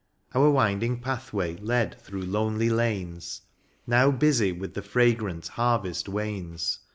Our winding pathway led through lonely lanes. Now busy with the fragrant harvest wains.